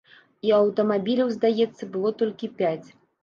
І аўтамабіляў, здаецца, было толькі пяць.